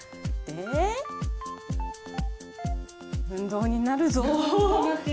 運動になるぞ。